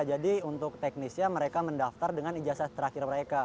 jadi untuk teknisnya mereka mendaftar dengan ijazah terakhir mereka